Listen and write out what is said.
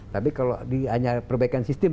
tapi kalau hanya perbaikan sistem